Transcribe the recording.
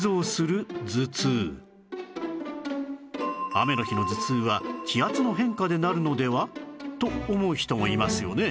雨の日の頭痛は気圧の変化でなるのでは？と思う人もいますよね